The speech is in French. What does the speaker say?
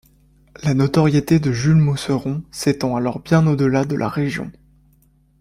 La notoriété de Jules Mousseron s'étend alors bien au-delà de la région.